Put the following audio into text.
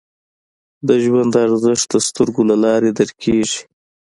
د ژوند ارزښت د سترګو له لارې درک کېږي